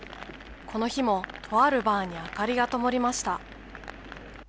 この日もとあるバーに明かりがともりました。